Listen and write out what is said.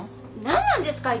何なんですか？